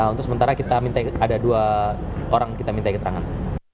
untuk sementara kita minta ada dua orang kita minta keterangan